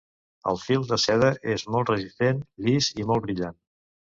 El fil de seda és molt resistent, llis i molt brillant.